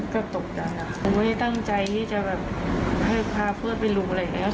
ก็ตกใจผมไม่ได้ตั้งใจที่จะแบบให้พาเพื่อนไปดูอะไรอย่างนี้